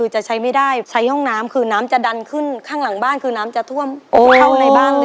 ใช้ห้องน้ำคือน้ำจะดันขึ้นข้างหลังบ้านคือน้ำจะท่วมเข้าในบ้าน